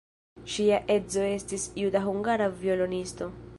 Ŝia edzo estis juda-hungara violonisto.